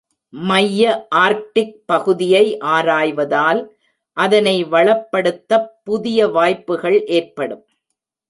மைய ஆர்க்டிக் பகுதியை ஆராய்வதால், அதனை வளப்படுத்தப் புதிய வாய்ப்புகள் ஏற்படும்.